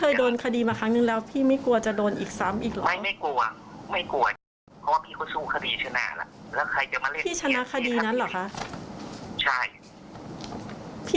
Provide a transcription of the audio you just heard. ถึงจบคดีนั้นไปแล้วพี่ก็ยังทำอาชีพได้ปกติ